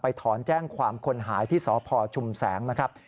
ไปถอนแจ้งความคนหายที่สพชุมแสง